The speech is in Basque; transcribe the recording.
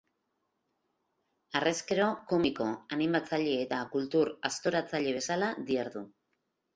Harrezkero, komiko, animatzaile eta kultur aztoratzaile bezala dihardu.